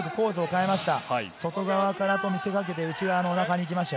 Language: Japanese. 外側からと見せかけて内側のおなかに行きました。